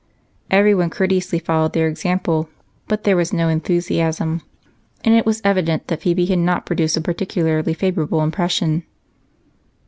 Everyone courteously followed their example, but there was no enthusiasm, and it was evident that Phebe had not produced a particularly favorable impression.